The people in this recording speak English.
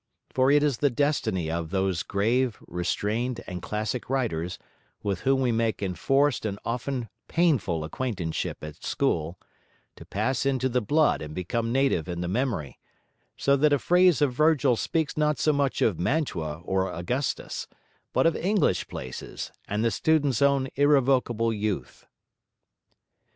For it is the destiny of those grave, restrained and classic writers, with whom we make enforced and often painful acquaintanceship at school, to pass into the blood and become native in the memory; so that a phrase of Virgil speaks not so much of Mantua or Augustus, but of English places and the student's own irrevocable youth.